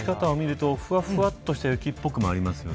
ふわふわとして雪っぽくもありますよね。